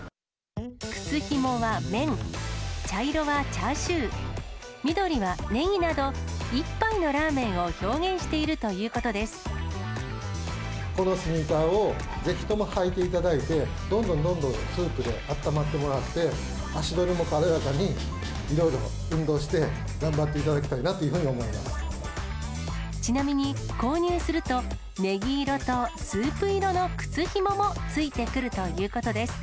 靴ひもは麺、茶色はチャーシュー、緑はネギなど、一杯のラーメンを表現しているということでこのスニーカーを、ぜひとも履いていただいて、どんどんどんどんスープであったまってもらって、足取りも軽やかにいろいろ運動して、頑張っていただきたいなといちなみに購入すると、ネギ色とスープ色の靴ひもも付いてくるということです。